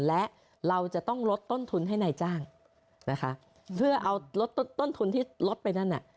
และเราจะต้องลดต้นทุนให้นายจ้างนะคะเพื่อเอาลดต้นทุนที่ลดไปนั่นน่ะ